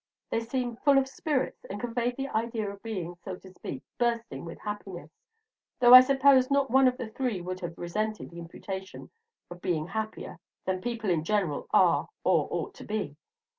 They seemed full of spirits, and conveyed the idea of being, so to speak, bursting with happiness, though I suppose not one of the three but would have resented the imputation of being happier than people in general are or ought to be.